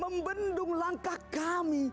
membendung langkah kami